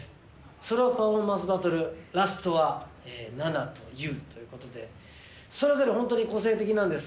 ソロパフォーマンスバトル、ラストはナナとユウということで、それぞれ本当に個性的なんです。